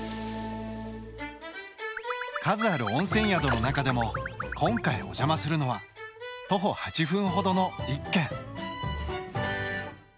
数ある温泉宿の中でも今回お邪魔するのは徒歩８分ほどの一軒。